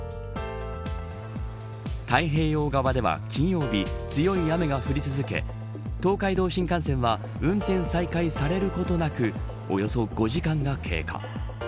太平洋側では金曜日強い雨が降り続き東海道新幹線は運転再開されることなくおよそ５時間が経過。